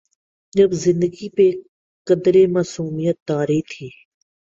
جب زندگی پہ قدرے معصومیت طاری تھی۔